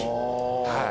はい。